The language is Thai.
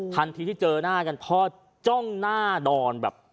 ทันทีที่เจอหน้ากันพ่อจ้องหน้านอนแบบ